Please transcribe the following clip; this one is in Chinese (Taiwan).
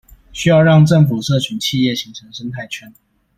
需要讓政府、社群、企業形成生態圈